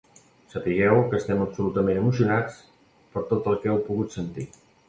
Sapigueu que estem absolutament emocionats per tot el que heu pogut sentir.